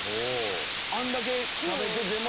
あんだけ食べてても。